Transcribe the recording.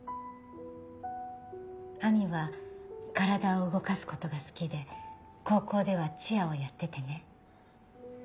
亜美は体を動かすことが好きで高校ではチアをやっててね。